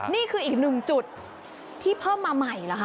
นี่คืออีกหนึ่งจุดที่เพิ่มมาใหม่เหรอคะ